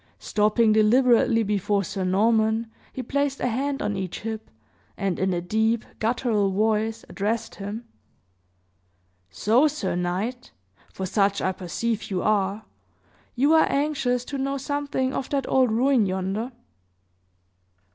Stopping deliberately before Sir Norman, he placed a hand on each hip, and in a deep, guttural voice, addressed him: "So, sir knight for such I perceive you are you are anxious to know something of that old ruin yonder?"